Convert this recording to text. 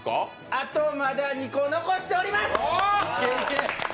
あとまだ２個、残しております！